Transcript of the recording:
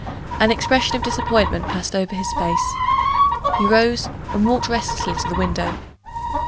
An expression of disappointment passed over his face. He rose, and walked restlessly to the window.